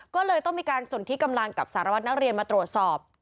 ก็เลยต้องมีการสนที่กำลังกับสารวัตรนักเรียนมาตรวจสอบ